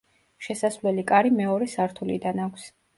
შესასვლელი კარი მეორე სართულიდან აქვს.